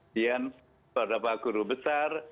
dan beberapa guru besar